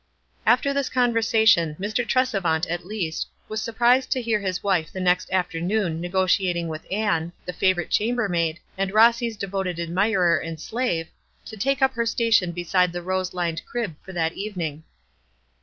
After this conversation, Mr. Tresevant, at least, was surprised to hear his wife the next af ternoon negotiating with Ann, the favorite cham bermaid, and Rossy's devoted admirer and slave, to take up her station beside the rose lined crib for that evening.